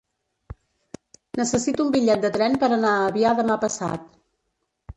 Necessito un bitllet de tren per anar a Avià demà passat.